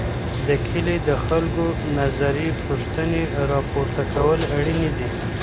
د کلي د خلګو نظري پوښتني راپور کول اړیني دي.